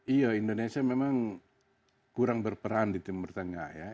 iya indonesia memang kurang berperan di timur tengah ya